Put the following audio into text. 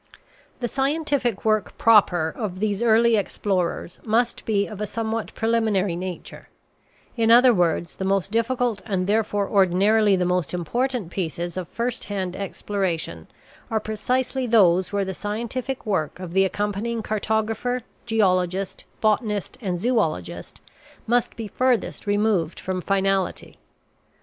The scientific work proper of these early explorers must be of a somewhat preliminary nature; in other words the most difficult and therefore ordinarily the most important pieces of first hand exploration are precisely those where the scientific work of the accompanying cartographer, geologist, botanist, and zoologist must be furthest removed from finality.